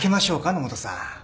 野本さん。